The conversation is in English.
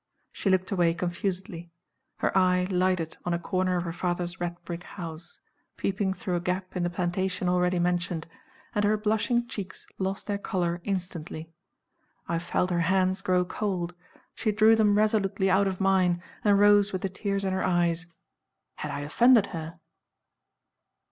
She looked away confusedly; her eye lighted on a corner of her father's red brick house, peeping through a gap in the plantation already mentioned; and her blushing cheeks lost their color instantly. I felt her hands grow cold; she drew them resolutely out of mine, and rose with the tears in her eyes. Had I offended her?